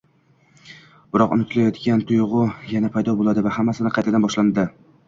Biroq unutilayozgan tuyg‘u yana paydo bo‘ldi va hammasi qaytadan boshlandi: